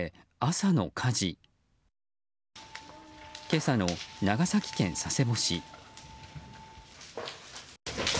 今朝の長崎県佐世保市。